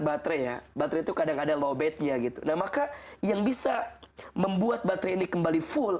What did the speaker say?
baterai ya baterai itu kadang ada lobetnya gitu nah maka yang bisa membuat baterai kembali full